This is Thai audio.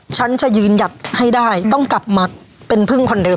ฉันจะยืนหยัดให้ได้ต้องกลับมาเป็นพึ่งคนเดิม